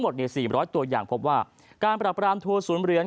หมดเนี้ยสี่ร้อยตัวอย่างพบว่าการปรับรามทัวร์ศูนย์เหรียญ